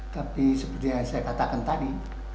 tapi seperti yang saya katakan tadi